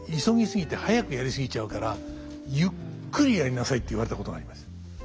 急ぎ過ぎて早くやり過ぎちゃうからゆっくりやりなさい」って言われたことがあります。